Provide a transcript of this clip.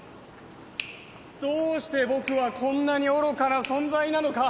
・どうして僕はこんなに愚かな存在なのか。